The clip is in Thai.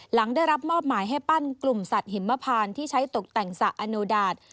หลังได้รับมอบหมายให้ปั้นกลุ่มสัตว์หิมพานที่ใช้ตกแต่งสระอโนดาต